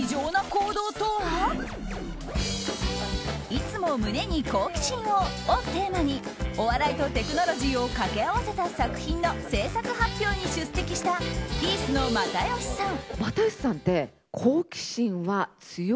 「いつも胸に、好奇心を。」をテーマにお笑いとテクノロジーを掛け合わせた作品の制作発表に出席したピースの又吉さん。